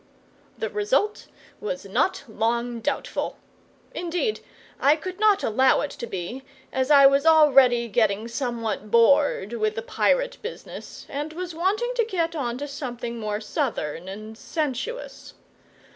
The result was not long doubtful. Indeed, I could not allow it to be, as I was already getting somewhat bored with the pirate business, and was wanting to get on to something more southern and sensuous.